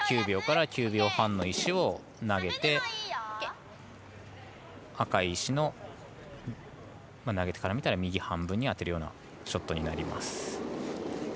９秒から９秒半の石を投げて赤い石の投げ手から見たら右半分に当てるようなショットになります。